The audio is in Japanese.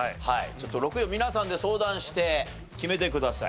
６位を皆さんで相談して決めてください。